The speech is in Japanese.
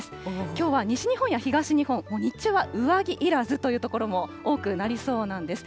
きょうは西日本や東日本、もう日中は上着いらずという所も多くなりそうなんです。